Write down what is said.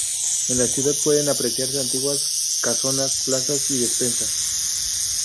En la ciudad pueden apreciarse antiguas casonas, plazas y despensas.